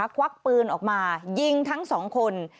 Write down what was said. ควักปืนออกมายิงทั้งสองคน